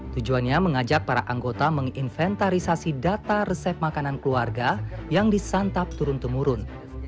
tujuannya mengajak para anggota menginventarisasi data resep makanan keluarga yang disantap turun temurun